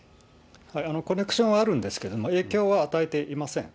コネクションあるんですけども、影響は与えていません。